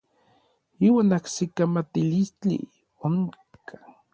Iuan ajsikamatilistli onkaj.